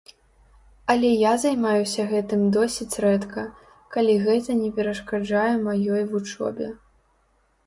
Але я займаюся гэтым досыць рэдка, калі гэта не перашкаджае маёй вучобе.